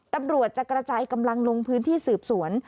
ตำรวจจะกระจายกำลังลงพื้นที่สืบสวน